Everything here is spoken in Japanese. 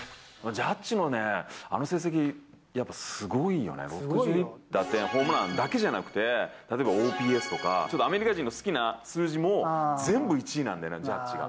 ジャッジのね、あの成績、やっぱりすごいよね、６０打点、ホームランだけじゃなくて、例えばＯＰＳとか、ちょっとアメリカ人の好きな数字も全部１位なんだよね、ジャッジ。